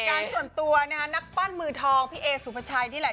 นี่แหละค่ะผู้จัดการส่วนตัวนักปั้นมือทองพี่เอสุภาชัยนี่แหละ